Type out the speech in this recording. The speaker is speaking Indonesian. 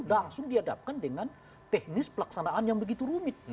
langsung dihadapkan dengan teknis pelaksanaan yang begitu rumit